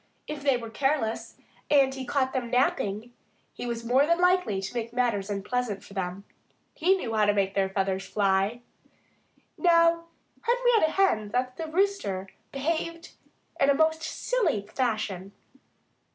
If they were careless, and he caught them napping, he was more than likely to make matters unpleasant for them. He knew how to make their feathers fly. Now, Henrietta Hen thought that the Rooster behaved in a most silly fashion.